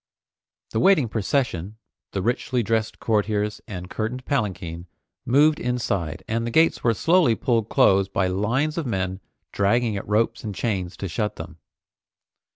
The waiting procession, the richly dressed courtiers and curtained palanquin, moved inside and the gates were slowly pulled close by lines of men dragging at ropes and chains to shut them.